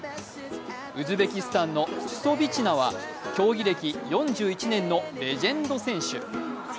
ウズベキスタンのチュソビチナは競技歴４１年のレジェンド選手。